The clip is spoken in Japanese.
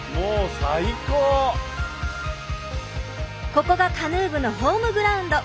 ここがカヌー部のホームグラウンド。